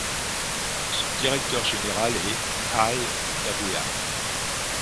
Son directeur général est Mihai Gâdea.